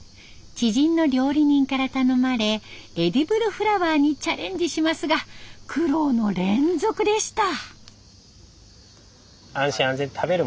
知人の料理人から頼まれエディブルフラワーにチャレンジしますが苦労の連続でした。